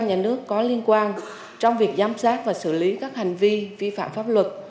nhà nước có liên quan trong việc giám sát và xử lý các hành vi vi phạm pháp luật